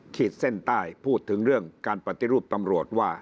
ขีดเส้นใต้พูดถึงเรื่องการปฏิรูปตำรวจว่า